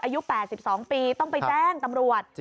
อายุ๘๒ปีต้องไปแจ้งตำรวจ